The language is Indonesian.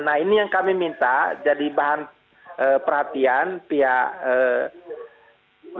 nah ini yang kami minta jadi bahan perhatian pihak